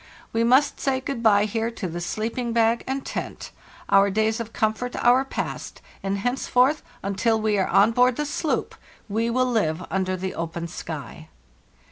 We must say good bye here to the sleeping bag and tent.f Our days of comfort are past, and henceforth until we are on board the sloopt we will live under the open sky.